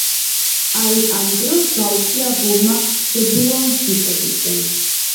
აი, ამ დროს გაუწია გულმა ზებულონს ბიჭებისკენ